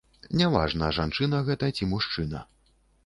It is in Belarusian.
Не важна, жанчына гэта ці мужчына.